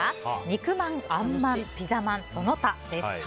肉まん・あんまん・ピザまん・その他です。